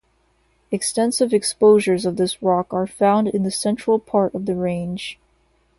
Extensive exposures of this rock are found in the central part of the range.